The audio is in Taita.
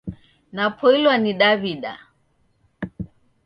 Napoilwa ni daw'ida